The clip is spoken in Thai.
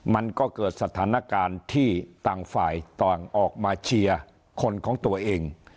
มันก็เกิดสถานการณ์ที่ต่างฝ่ายต่างออกมาเชียร์คนของตัวเอง